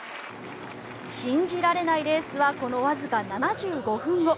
信じられないレースはこのわずか７５分後。